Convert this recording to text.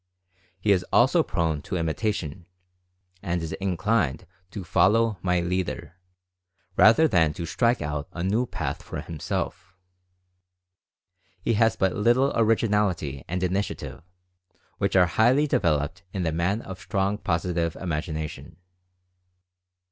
He is also prone to Imitation, and is in Phenomena of Induced Imagination 133 clined to "follow my leader," rather than to strike out a new path for himself. He has but little Originality and Initiative, which are highly developed in the man of strong Positive Imagination.